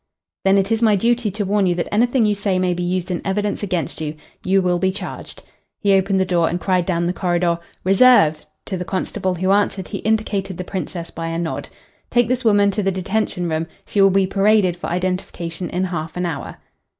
"Then it is my duty to warn you that anything you say may be used in evidence against you. You will be charged." He opened the door and cried down the corridor, "Reserve!" To the constable who answered he indicated the Princess by a nod. "Take this woman to the detention room. She will be paraded for identification in half an hour."